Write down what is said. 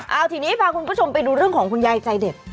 เอาทีนี้พาคุณผู้ชมไปดูเรื่องของคุณยายใจเด็ด